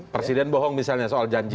presiden bohong misalnya soal janji